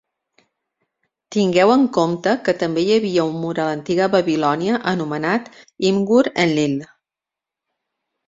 Tingueu en compte que també hi havia un mur a l'antiga Babilònia anomenat Imgur-Enlil.